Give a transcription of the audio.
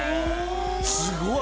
すごい！